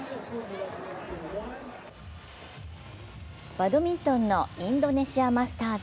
バドミントンのインドネシアマスターズ。